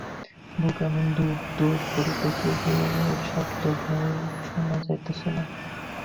বুক এমন দুড়দুড় করিতেছে যে, শব্দ ভাল শুনা যাইতেছে না।